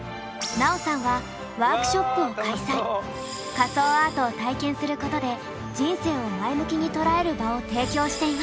仮装アートを体験することで人生を前向きに捉える場を提供しています。